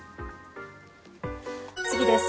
次です。